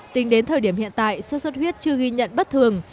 tính đến thời điểm hiện tại sốt xuất huyết chưa ghi nhận bất thường